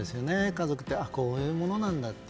家族ってこういうものなんだと。